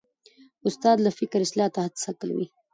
استاد د فکر اصلاح ته هڅه کوي.